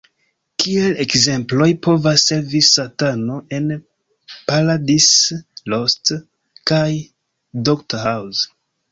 Kiel ekzemploj povas servi Satano en "Paradise Lost" kaj Dr. House.